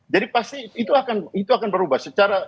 jadi pasti itu akan berubah